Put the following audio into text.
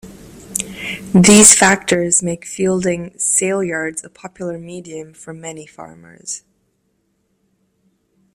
These factors make Feilding Saleyards a popular medium for many farmers.